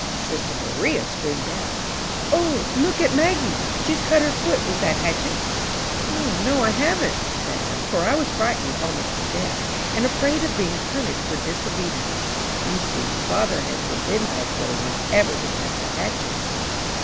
Sister Maria screamed out, 'O, look at Maggie! She's cut her foot with that hatchet!'" "'No, no, I haven't,' said I, for I was frightened almost to death, and afraid of being punished for disobedience. You see father had forbidden us little ones ever to touch the hatchet."